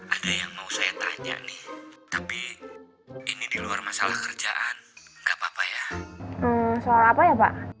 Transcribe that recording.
ada yang mau saya tanya nih tapi ini diluar masalah kerjaan nggak papa ya soal apa ya pak